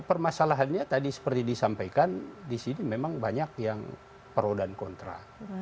permasalahannya tadi seperti disampaikan di sini memang banyak yang pro dan kontra